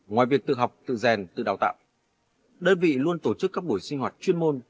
ngoài việc tự học tự rèn tự đào tạo đơn vị luôn tổ chức các buổi sinh hoạt chuyên môn